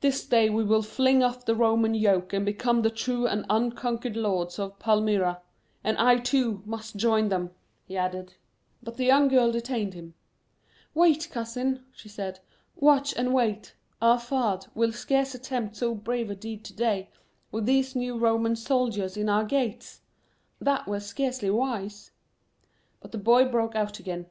This day will we fling off the Roman yoke and become the true and unconquered lords of Palmyra. And I, too, Must join them," he added. (1) The "head man," or chief of the "fahdh," or family. But the young girl detained him. "Wait, cousin," she said; "watch and wait. Our fahdh will scarce attempt so brave a deed to day, with these new Roman soldiers in our gates. That were scarcely wise." But the boy broke out again.